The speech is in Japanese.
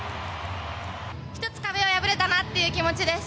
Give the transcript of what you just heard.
一つ壁を破れたなっていう気持ちです。